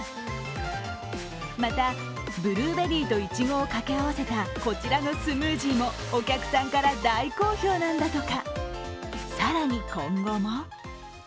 また、ブルーベリーといちごを掛け合わせたこちらのスムージーもお客さんから大好評なんだとか。